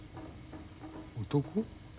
男？